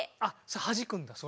はじくんだそれを。